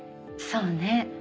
そうね。